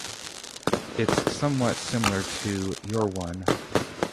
It's somewhat similar to your one.